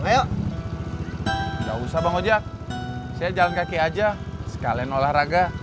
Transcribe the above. enggak usah bang ojak saya jalan kaki saja sekalian olahraga